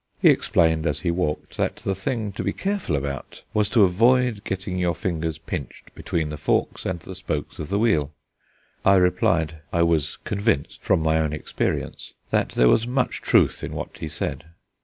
He explained as he walked that the thing to be careful about was to avoid getting your fingers pinched between the forks and the spokes of the wheel. I replied I was convinced, from my own experience, that there was much truth in what he said.